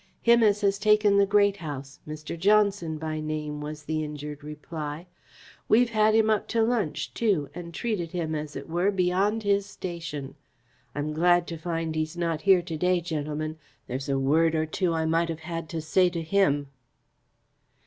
"Him as has taken the Great House Mr. Johnson, by name," was the injured reply. "We've had him up to lunch too, and treated him, as it were, beyond his station. I'm glad to find he's not here to day, gentlemen. There's a word or two I might have had to say to him."